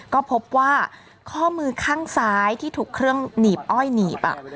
ก็พบว่าข้อมือข้างซ้ายที่ถูกเครื่องหนีบอ้อยหนีบ